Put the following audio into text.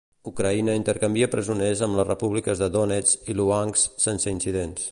Ucraïna intercanvia presoners amb les repúbliques de Donetsk i Luhanks sense incidents.